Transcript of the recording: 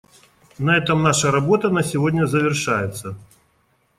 На этом наша работа на сегодня завершается.